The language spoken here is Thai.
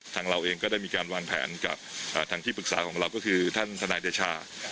เราเองก็ได้มีการวางแผนกับทางที่ปรึกษาของเราก็คือท่านทนายเดชา